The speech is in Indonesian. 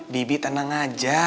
bibi tenang aja